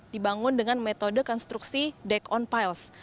dibangun dengan metode konstruksi deck on piles